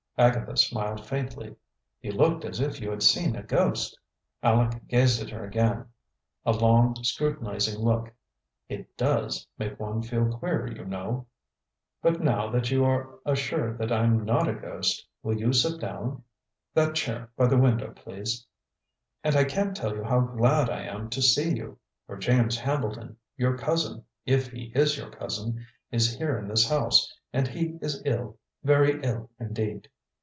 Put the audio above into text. Agatha smiled faintly. "You looked as if you had seen a ghost." Aleck gazed at her again, a long, scrutinizing look. "It does make one feel queer, you know." [Illustration: "It does make one feel queer, you know."] "But now that you are assured that I'm not a ghost, will you sit down? That chair by the window, please. And I can't tell you how glad I am to see you; for James Hambleton, your cousin, if he is your cousin, is here in this house, and he is ill very ill indeed."